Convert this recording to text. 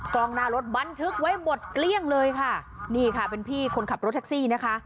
กล้องหน้ารถบันทึกไว้หมดเกลี้ยงเลยค่ะนี่ค่ะเป็นพี่คนขับรถแท็กซี่นะคะ